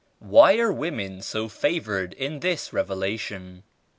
"Why *re women so favored in this Revela tion?"